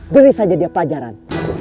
beri saja dia pelajaran